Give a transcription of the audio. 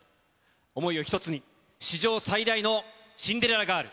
想いを一つに、史上最大のシンデレラガール。